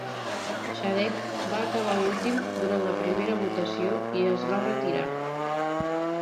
Shadegg va acabar últim durant la primera votació i es va retirar.